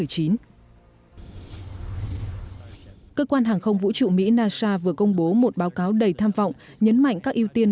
cơ quan hàng không vũ trụ mỹ nasa vừa công bố một báo cáo đầy tham vọng nhấn mạnh các ưu tiên